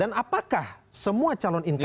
dan apakah semua calon incumbent